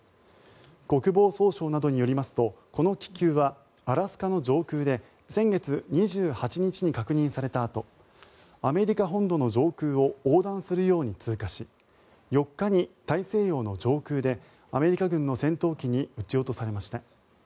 国防総省などによりますとこの気球はアラスカの上空で先月２８日に確認されたあとアメリカ本土の上空を横断するように通過し４日に大西洋の上空でアメリカ軍の戦闘機に撃ち落とされました。